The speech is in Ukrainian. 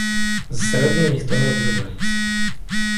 Зсередини ніхто не обзивається.